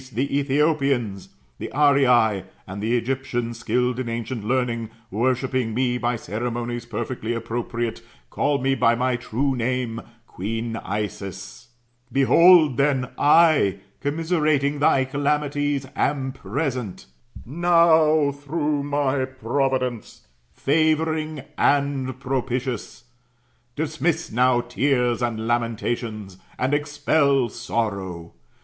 the Ethiopians, the Arii, and the Egyptians skilled in ancient learning, worshipping me by ceremonies perfectly appropriate, call me by my true name, queen Isis. Behold then, I, commiserating thy calamities, am present; I am present, favouring and propitious. Dismiss now tears and lamentations, and expel sorrow.